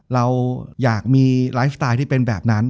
เราอยากมีไลฟ์สไตล์ที่เป็นแบบนั้น